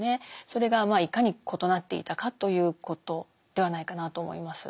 それがいかに異なっていたかということではないかなと思います。